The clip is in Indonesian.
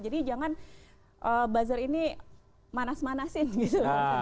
jadi jangan buzzer ini manas manasin gitu loh